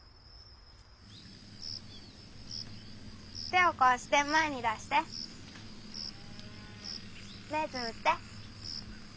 手をこうして前に出して目つむって。